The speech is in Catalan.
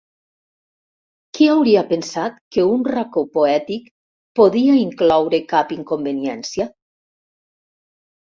Qui hauria pensat que un racó poètic podia incloure cap inconveniència?